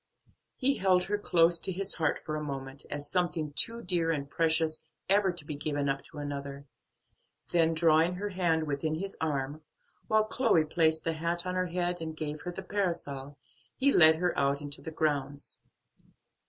He held her close to his heart for a moment, as something too dear and precious ever to be given up to another, then drawing her hand within his arm, while Chloe placed the hat on her head, and gave her the parasol, he led her out into the grounds.